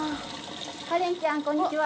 花恋ちゃん、こんにちは。